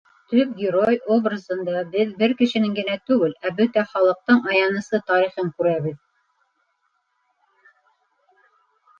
Төп герой образында беҙ бер кешенең генә түгел, ә бөтә халыҡтың аяныслы тарихын күрәбеҙ.